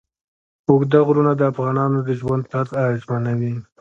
اوږده غرونه د افغانانو د ژوند طرز اغېزمنوي.